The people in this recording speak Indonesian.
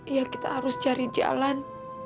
ya kita harus cari jalan